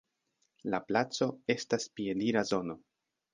La placo estas piedira zono.